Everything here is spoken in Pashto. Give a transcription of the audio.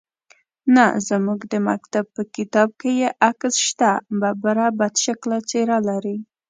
_نه، زموږ د مکتب په کتاب کې يې عکس شته. ببره، بدشکله څېره لري.